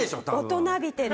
大人びてる。